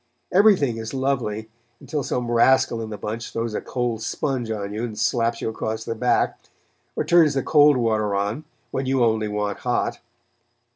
Everything is lovely until some rascal in the bunch throws a cold sponge on you and slaps you across the back, or turns the cold water on, when you only want hot.